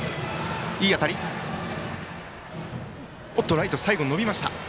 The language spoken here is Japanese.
ライトへ、最後伸びました。